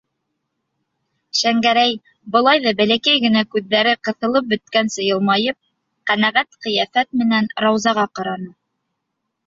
- Шәңгәрәй, былай ҙа бәләкәй генә күҙҙәре ҡыҫылып бөткәнсе йылмайып, ҡәнәғәт ҡиәфәт менән Раузаға ҡараны.